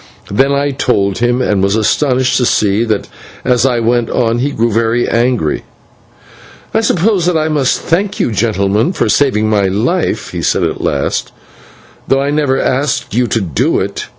Then I told him, and was astonished to see that as I went on he grew very angry. "I suppose that I must thank you, gentlemen, for saving my life," he said at last, "though I never asked you to do it.